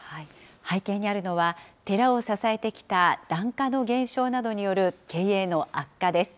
背景にあるのは、寺を支えてきた檀家の減少などによる経営の悪化です。